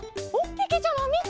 けけちゃまみて！